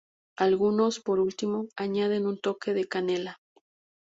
Algunos, por último, añaden un toque de canela.